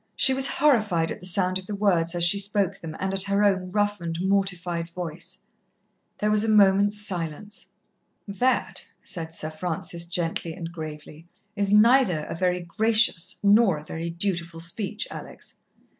She was horrified at the sound of the words as she spoke them, and at her own roughened, mortified voice. There was a moment's silence. "That," said Sir Francis gently and gravely, "is neither a very gracious nor a very dutiful speech, Alex.